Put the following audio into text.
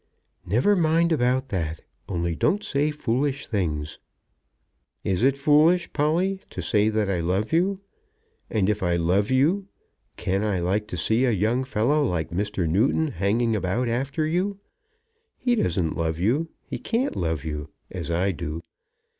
"Never mind about that; only don't say foolish things." "Is it foolish, Polly, to say that I love you? And if I love you, can I like to see a young fellow like Mr. Newton hanging about after you? He doesn't love you. He can't love you, as I do.